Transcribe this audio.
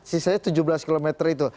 sisanya tujuh belas km itu